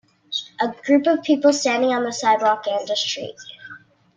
A group of people standing on a sidewalk and the street.